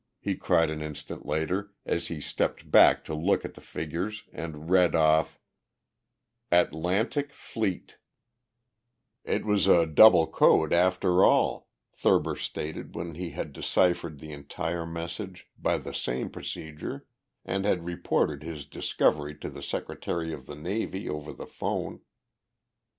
he cried an instant later, as he stepped back to look at the figures and read off: "A t l a n t i c f l e e t "It was a double code, after all," Thurber stated when he had deciphered the entire message by the same procedure and had reported his discovery to the Secretary of the Navy over the phone.